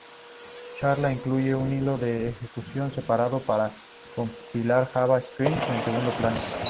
Chakra incluye un hilo de ejecución separado para compilar JavaScript en segundo plano.